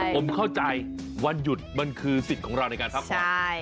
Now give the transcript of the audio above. ผมเข้าใจวันหยุดมันคือสิ่งของเราในการทำงาน